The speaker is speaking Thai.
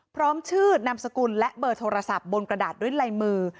พร้อมชื่อนามสกุลและเบอร์โทรศัพท์บนกระดาษด้วยลายมือ